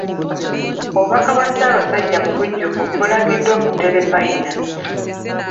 Obubaka bwa Ssaabasajja mu bujjuvu bulagiddwa ku Terefayina.